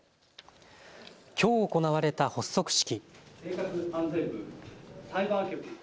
きょう行われた発足式。